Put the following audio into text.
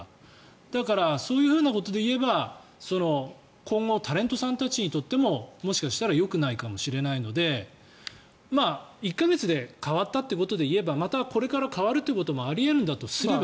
そういうことでいえば今後タレントさんたちにとってももしかしたらよくないかもしれないので１か月で変わったということで言えばまたこれから変わるということもあり得るんだとすれば。